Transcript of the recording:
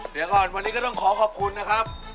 เดี๋ยวก่อนวันนี้ก็ต้องขอขอบคุณนะครับ